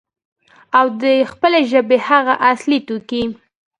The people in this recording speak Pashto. او د خپلې ژبې هغه اصلي توکي،